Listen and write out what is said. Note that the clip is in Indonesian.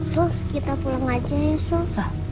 sus kita pulang aja ya sus